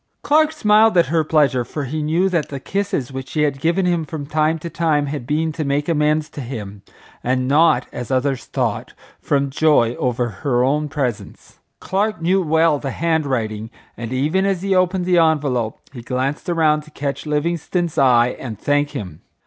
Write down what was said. Clark smiled at her pleasure, for he knew that the kisses which she had given him from time to time had been to make amends to him, and not, as others thought, from joy over her own presents. Clark knew well the hand writing, and even as he opened the envelope he glanced around to catch Livingstone's eye and thank him.